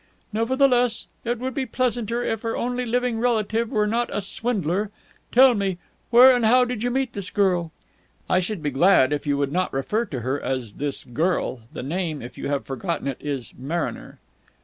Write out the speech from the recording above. "Nevertheless, it would be pleasanter if her only living relative were not a swindler!... Tell me, where and how did you meet this girl?" "I should be glad if you would not refer to her as 'this girl.' The name, if you have forgotten it, is Mariner."